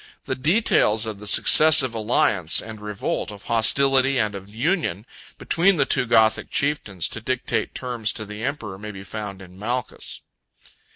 The details of the successive alliance and revolt, of hostility and of union, between the two Gothic chieftains, to dictate terms to the emperor, may be found in Malchus.